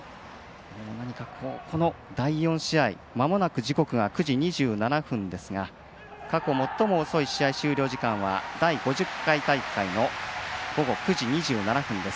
この第４試合、まもなく時刻が９時２７分ですが過去最も遅い試合時間は第５０回大会の午後９時２７分です。